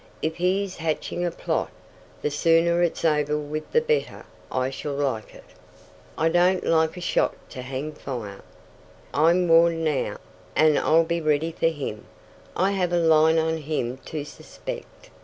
If he is hatching a plot, the sooner it's over with the better I shall like it. I don't like a shot to hang fire. I'm warned now, and I'll be ready for him. I have a line on whom to suspect.